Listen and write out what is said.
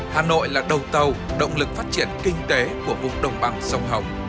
hà nội là đầu tàu động lực phát triển kinh tế của vùng đồng bằng sông hồng